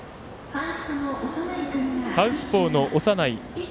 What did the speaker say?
サウスポーの長内